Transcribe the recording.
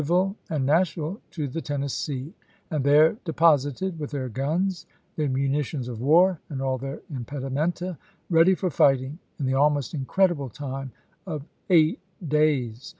ville, and Nashville to the Tennessee, and there deposited, with their guns, their munitions of war, and all theu* impedimenta, ready for fighting, in the almost incredible time of eight days.